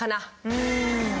うん。